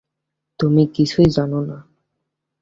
তুমি কিছুই জানো না।